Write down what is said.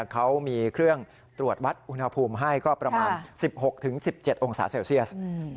เขามีเครื่องตรวจวัดอุณหภูมิให้ก็ประมาณ๑๖๑๗องศาเซลเซียส